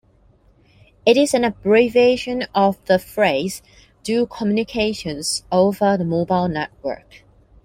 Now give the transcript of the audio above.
It is an abbreviation of the phrase Do communications over the mobile network.